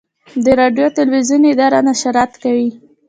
د راډیو تلویزیون اداره نشرات کوي